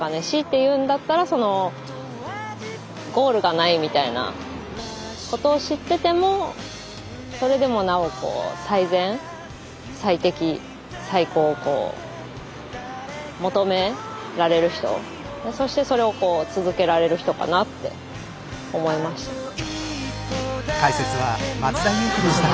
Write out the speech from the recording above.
強いて言うんだったらそのゴールがないみたいなことを知っててもそれでもなおこう最善最適最高を求められる人そしてそれを続けられる人かなって思いました。